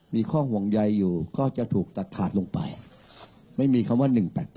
มีข้อห่วงใยอยู่ก็จะถูกตัดขาดลงไปไม่มีคำว่า๑๘๘